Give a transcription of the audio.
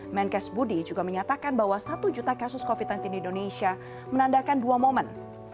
menkes budi juga menyatakan bahwa satu juta kasus covid sembilan belas di indonesia menandakan dua momen